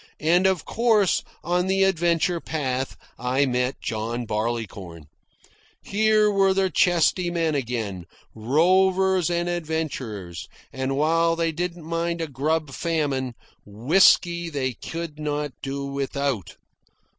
And of course, on the adventure path, I met John Barleycorn. Here were the chesty men again, rovers and adventurers, and while they didn't mind a grub famine, whisky they could not do without.